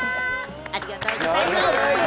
ありがとうございます。